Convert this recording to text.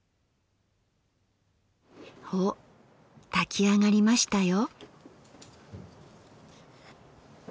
お炊きあがりましたよ。